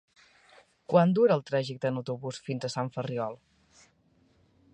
Quant dura el trajecte en autobús fins a Sant Ferriol?